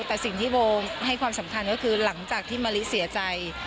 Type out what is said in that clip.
แต่สิ่งที่โบให้ความสำคัญก็คือหลังจากที่มะลิเสียใจ